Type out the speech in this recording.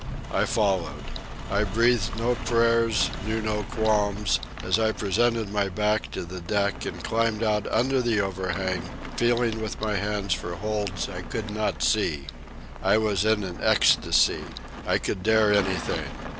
I followed. I breathed no prayers, knew no qualms, as I presented my back to the deck and climbed out under the overhang, feeling with my hands for holds I could not see. I was in an ecstasy. I could dare anything.